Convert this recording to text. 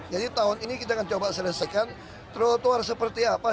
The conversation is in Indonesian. jadi tahun ini kita akan coba selesaikan trotoar seperti apa